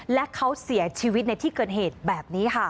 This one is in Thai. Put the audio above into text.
และเขาเสียชีวิตในที่เกิดเหตุแบบนี้ค่ะ